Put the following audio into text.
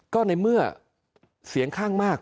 ก็ในเมื่อเสียงข้างมาก